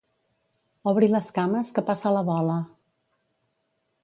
Obri les cames que passa la bola.